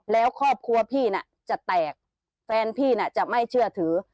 แล้วครอบครัวพี่น่ะจะแตกแฟนพี่น่ะจะไม่เชื่อถือ